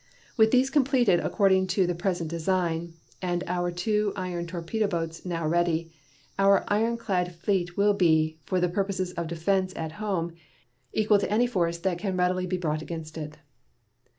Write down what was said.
With these completed according to the present design and our two iron torpedo boats now ready, our ironclad fleet will be, for the purposes of defense at home, equal to any force that can readily be brought against it.